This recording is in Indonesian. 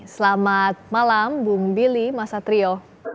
selamat malam bung billy mas satrio